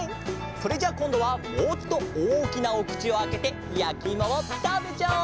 それじゃあこんどはもっとおおきなおくちをあけてやきいもをたべちゃおう！